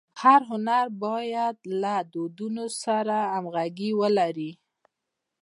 هر هنر باید له دودونو سره همږغي ولري.